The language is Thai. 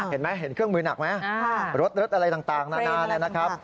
เห็นไหมเห็นเครื่องมือหนักไหมรถอะไรต่างนานานะครับ